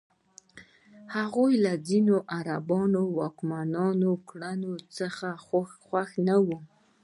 هغوی له ځینو عربي واکمنانو کړنو څخه خوښ نه وو.